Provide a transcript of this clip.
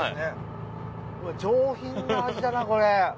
上品な味だなこれ。